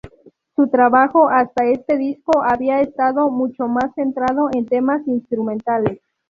Su trabajo hasta este disco había estado mucho más centrado en temas instrumentales.